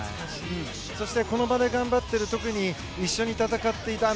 そしてこの場で頑張っている特に一緒に戦っていた。